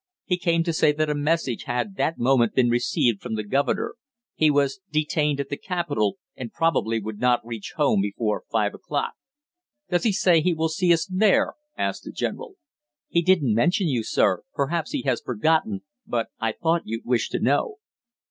He came to say that a message had that moment been received from the governor; he was detained at the capitol, and probably would not reach home before five o'clock. "Does he say he will see us there?" asked the general. "He didn't mention you, sir; perhaps he has forgotten, but I thought you'd wish to know."